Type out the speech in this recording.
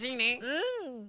うん！